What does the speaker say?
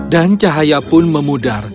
dan cahaya pun memudar